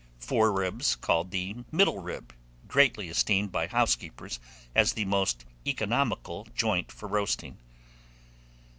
Four ribs, called the middle rib, greatly esteemed by housekeepers as the most economical joint for roasting.